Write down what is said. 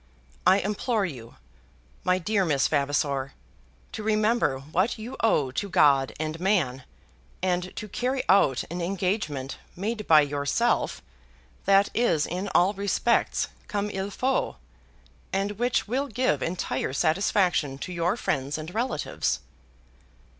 I implore you, my dear Miss Vavasor, to remember what you owe to God and man, and to carry out an engagement made by yourself, that is in all respects comme il faut, and which will give entire satisfaction to your friends and relatives.